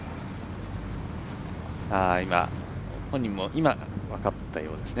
本人も今分かったようですね。